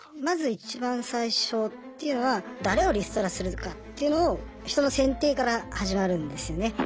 まずいちばん最初っていうのは誰をリストラするかっていうのを人の選定から始まるんですよね。